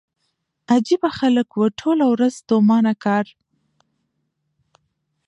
عجيبه خلک وو ټوله ورځ ستومانه کار.